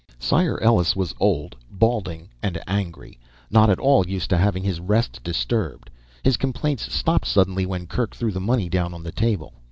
Sire Ellus was old, balding and angry, not at all used to having his rest disturbed. His complaints stopped suddenly when Kerk threw the money down on the table.